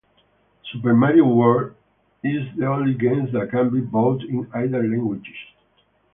"Super Mario World" is the only game that can be bought in either languages.